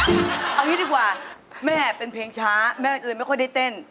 เอางี้ดีกว่าแม่เป็นเพลงช้าแม่บังเอิญไม่ค่อยได้เต้น